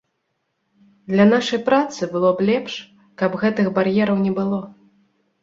Для нашай працы было б лепш, каб гэтых бар'ераў не было.